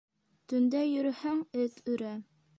Төндә йөрөһәң, эт өрә.